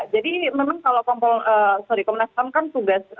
jadi memang kalau kompolnasam